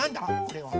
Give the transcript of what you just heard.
これは。